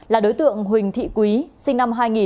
là đối tượng huỳnh thị quý sinh năm hai nghìn